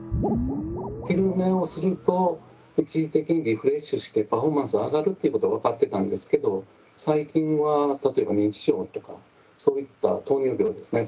昼寝をすると一時的にリフレッシュしてパフォーマンスが上がるということが分かってたんですけど最近は例えば認知症とかそういった糖尿病ですね